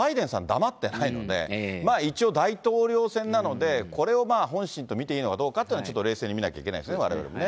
黙ってないので、一応大統領選なので、これを本心と見ていいのかっていうのは、どうかっていうのは冷静に見なきゃいけないですね、われわれね。